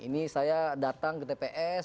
ini saya datang ke tps